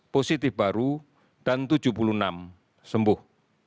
satu ratus dua belas positif baru dan tujuh puluh enam sembuh